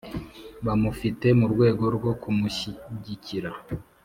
bamufite mu rwego rwo kumushyigikira